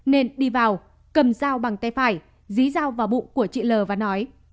nên đi vào cầm dao bằng tay phải dí dao vào bụng của chị l và nói